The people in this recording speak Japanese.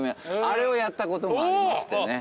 あれをやったこともありましてね。